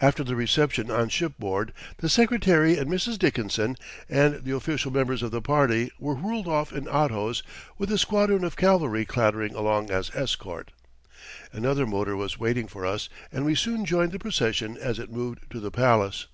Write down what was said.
After the reception on shipboard the Secretary and Mrs. Dickinson and the official members of the party were whirled off in autos, with a squadron of cavalry clattering along as escort. Another motor was waiting for us, and we soon joined the procession as it moved to the palace.